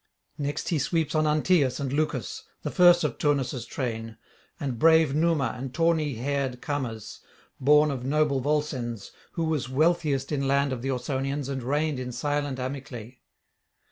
Next he sweeps on Antaeus and Lucas, the first of Turnus' train, and brave Numa and tawny haired Camers, born of noble Volscens, who was wealthiest in land of the Ausonians, and reigned in silent Amyclae.